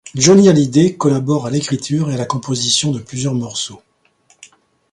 Johnny Hallyday collabore à l'écriture et à la composition de plusieurs morceaux.